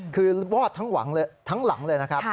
คือวอดทั้งหลังเลยนะครับ